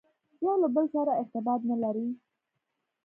یو له بل سره ارتباط نه لري.